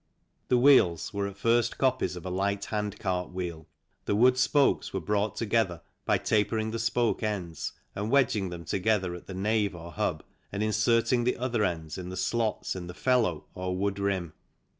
The wheels were at first copies of a light hand cart wheel, the wood spokes were brought together by tapering the spoke ends and wedging them together at the nave or hub and inserting the other ends in slots in the felloe or wood rim.